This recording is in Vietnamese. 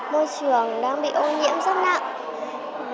môi trường đang bị ô nhiễm rất nặng